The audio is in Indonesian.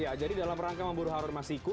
ya jadi dalam rangka memburu harun masiku